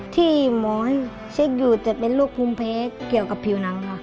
ที่หมอให้เช็คอยู่จะเป็นลูกภูมิเพศเกี่ยวกับผิวหนังค่ะ